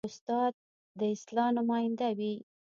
استاد د اصلاح نماینده وي.